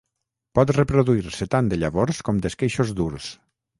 Pot reproduir-se tant de llavors com d'esqueixos durs.